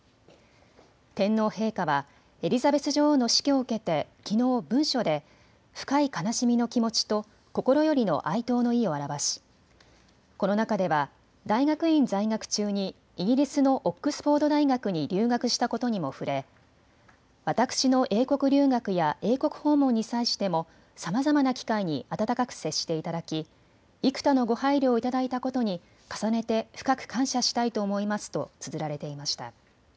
天皇陛下はエリザベス女王の死去を受けてきのう文書で深い悲しみの気持ちと心よりの哀悼の意を表しこの中では大学院在学中にイギリスのオックスフォード大学に留学したことにも触れ私の英国留学や英国訪問に際してもさまざまな機会に温かく接していただき幾多のご配慮をいただいたことに重ねて深く感謝したいと思いますとつづられていました。